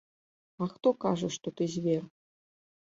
А хто кажа, што ты звер?